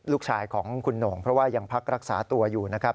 ลูกชายของคุณโหน่งเพราะว่ายังพักรักษาตัวอยู่นะครับ